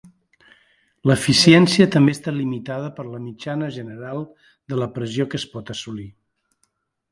L'eficiència també està limitada per la mitjana general de la pressió que es pot assolir.